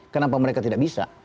kenapa mereka tidak bisa